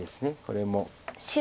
これも。